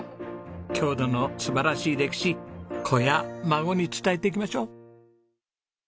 郷土の素晴らしい歴史子や孫に伝えていきましょう！